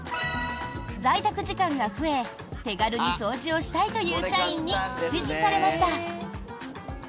在宅時間が増え手軽に掃除をしたいという社員に支持されました。